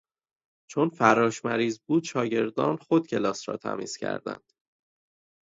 چون فراش مریض بود شاگردان خود کلاس را تمیز کردند.